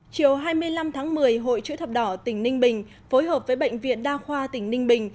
chiều hai mươi năm tháng một mươi hội chữ thập đỏ tỉnh ninh bình phối hợp với bệnh viện đa khoa tỉnh ninh bình